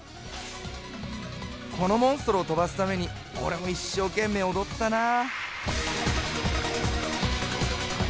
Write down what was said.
このモンストロを飛ばすために俺も一生懸命踊ったなぁ。